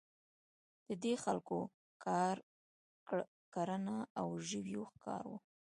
د دې خلکو کار کرنه او ژویو ښکار وو.